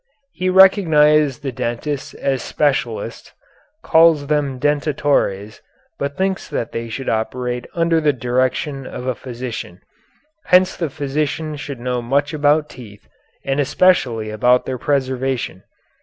He recognized the dentists as specialists, calls them dentatores, but thinks that they should operate under the direction of a physician hence the physician should know much about teeth and especially about their preservation.